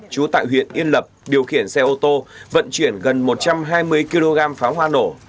chú tại huyện yên lập điều khiển xe ô tô vận chuyển gần một trăm hai mươi kg pháo hoa nổ